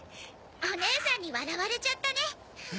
おねえさんに笑われちゃったね。